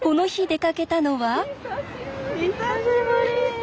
久しぶり。